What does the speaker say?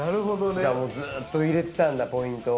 じゃあもうずっと入れてたんだポイントを。